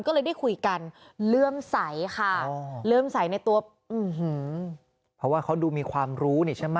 ก็เลยได้คุยกันเลื่อมใสค่ะเลื่อมใสในตัวเพราะว่าเขาดูมีความรู้นี่ใช่ไหม